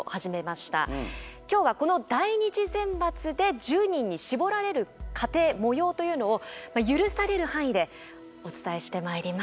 今日はこの第２次選抜で１０人に絞られる過程もようというのを許される範囲でお伝えしてまいります。